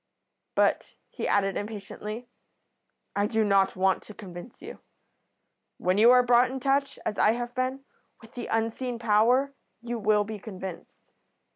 But," he added, impatiently, "I do not want to convince you. When you are brought in touch, as I have been, with the unseen power you will be convinced.